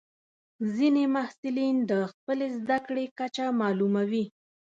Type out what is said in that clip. ځینې محصلین د خپلې زده کړې کچه معلوموي.